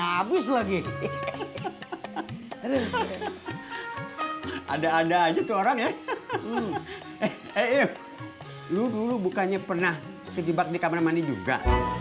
habis lagi ada ada aja tuh orang ya eh lu dulu bukannya pernah kejebak di kamar mandi juga